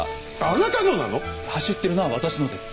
あなたのなの⁉走ってるのは私のです。